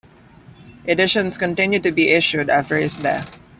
Editions continued to be issued after his death.